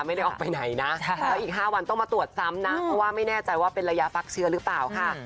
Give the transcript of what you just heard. ไม่ได้ออกไปไหนนะแล้วอีก๕วันต้องมาตรวจซ้ำนะเพราะว่าไม่แน่ใจว่าเป็นระยะฟักเชื้อหรือเปล่าค่ะ